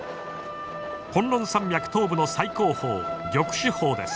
崑崙山脈東部の最高峰玉珠峰です。